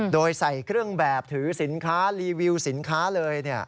โดยใส่เครื่องแบบถือสินค้ารีวิวสินค้าเลย